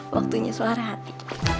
waktunya suara hati